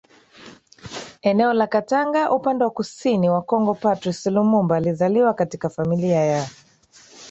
eneo la Katanga upande wa kusini wa KongoPatrice Lumumba alizaliwa katika familia ya